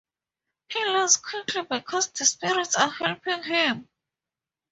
He learns quickly because the spirits are helping him.